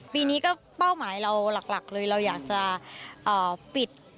ปีนี้ก็เป้าหมายเราหลักเลยเราอยากจะปิด